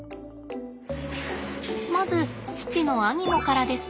まず父のアニモからです。